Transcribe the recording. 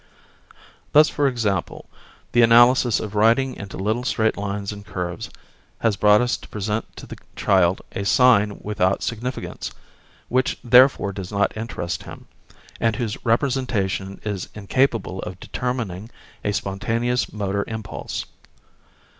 Thus, for example, the analysis of writing into little straight lines and curves has brought us to present to the child a sign without significance, which therefore does not interest him, and whose representation is incapable of determining a spontaneous motor impulse.